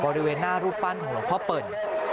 บริเวณหน้ารูปปั้นของหลวงพ่อเปิ่น